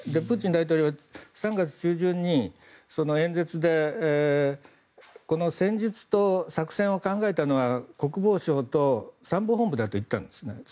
プーチン大統領は３月中旬に、演説でこの戦術と作戦を考えたのは国防省と参謀本部だと言ったんですね。